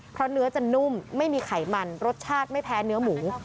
เพราะเนื้อจะนุ่มไม่มีไขมันรสชาติไม่แพ้เนื้อหมู